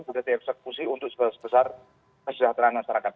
sudah dieksekusi untuk sebesar besar kesejahteraan masyarakat